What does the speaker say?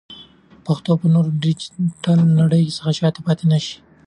پښتو به نور له ډیجیټل نړۍ څخه شاته پاتې نشي.